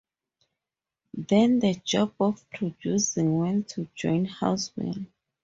Then the job of producing went to John Houseman.